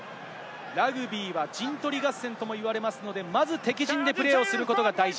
ラグビーは陣取り合戦とも言われるので、まず敵陣でプレーをすることが大事。